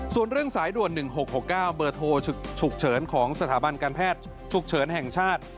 ส่วนเรื่องสายด่วน๑๖๖๙เบอร์โทรฉุกเฉินของสถาบันการแพทย์ฉุกเฉินแห่งชาติ